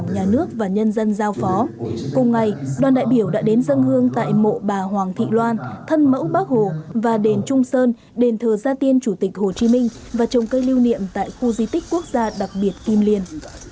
cùng ngày đoàn đại biểu đã đến dân hương tại mộ bà hoàng thị loan thân mẫu bác hồ và đền trung sơn đền thờ gia tiên chủ tịch hồ chí minh và trồng cây lưu niệm tại khu di tích quốc gia đặc biệt kim liên